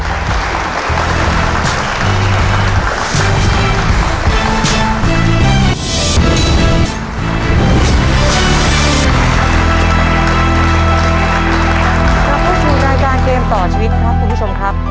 กลับเข้าสู่รายการเกมต่อชีวิตครับคุณผู้ชมครับ